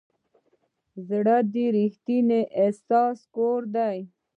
زړه د ریښتیني احساس کور دی.